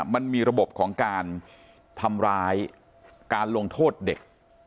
มันมีระบบของการทำร้ายการลงโทษเด็ก